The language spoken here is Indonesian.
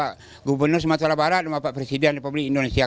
bapak gubernur sumatera barat bapak presiden republik indonesia